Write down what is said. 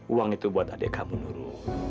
uang itu buat adek kamu nurul